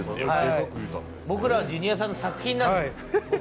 僕らはジュニアさんの作品なんです。